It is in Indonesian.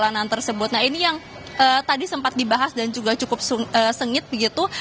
nah ini yang tadi sempat dibahas dan juga cukup sengit begitu